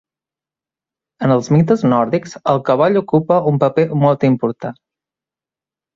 En els mites nòrdics el cavall ocupa un paper molt important.